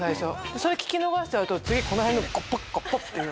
それ聞き逃しちゃうと次この辺の「ゴポッゴポッ」っていう。